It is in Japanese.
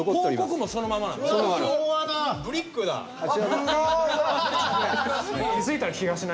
広告もそのままなんですね。